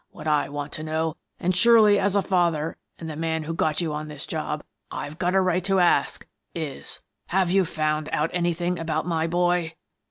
What I want to know — and surely as a father and the man who got you on this job, I've got a right to ask — is : Have you found out anything about my boy?